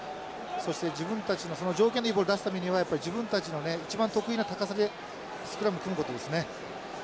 そして自分たちのその条件のいいボール出すためにはやっぱり自分たちのね一番得意な高さでスクラム組むことですね。